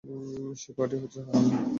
সেই পার্টি হচ্ছে, হাহ?